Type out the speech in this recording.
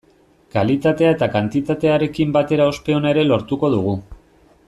Kalitatea eta kantitatearekin batera ospe ona ere lortuko dugu.